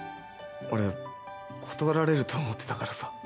俺断られると思ってたからさ。